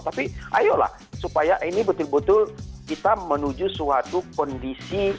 tapi ayolah supaya ini betul betul kita menuju suatu kondisi